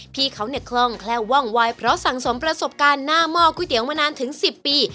พี่เขาเนี่ยคล่องแคล่วว่องวายเพราะสั่งสมประสบการณ์หน้าหม้อก๋วยเตี๋ยวมานานถึง๑๐ปี